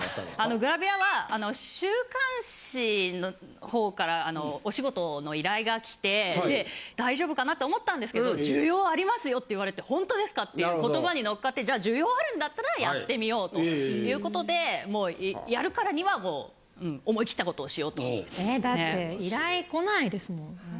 グラビアは週刊誌のほうからお仕事の依頼がきて大丈夫かな？と思ったんですけど「需要ありますよ」って言われて「ほんとですか？」っていう言葉に乗っかって需要あるんだったらやってみようという事でやるからにはもう思い切った事をしようと。だって。